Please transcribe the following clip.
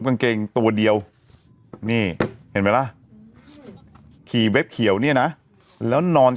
กางเกงตัวเดียวนี่เห็นไหมล่ะขี่เว็บเขียวเนี่ยนะแล้วนอน